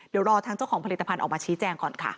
เดี๋ยวรอทางเจ้าของผลิตภัณฑ์ออกมาชี้แจงก่อนค่ะ